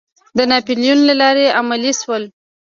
د ناپیلیون له لوري عملي شول.